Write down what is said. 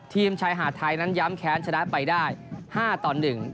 ชายหาดไทยนั้นย้ำแค้นชนะไปได้๕ต่อ๑